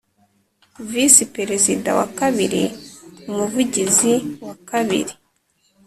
Visi Perezida wa kabiri Umuvugizi wa kabiri